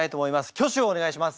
挙手をお願いします！